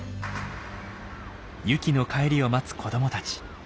ユキの帰りを待つ子どもたち。